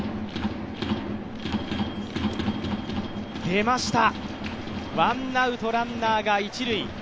出ました、ワンアウトランナーが一塁。